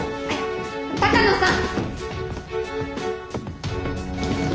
鷹野さん！